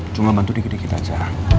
cuma bantu dikit dikit aja